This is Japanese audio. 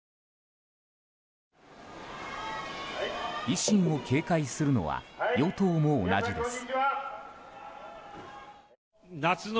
維新を警戒するのは与党も同じです。